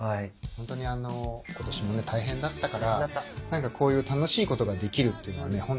本当にあの今年も大変だったから何かこういう楽しいことができるっていうのはね